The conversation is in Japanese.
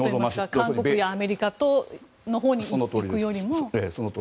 韓国やアメリカのほうにいくよりも。